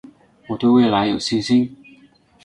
我对未来有信心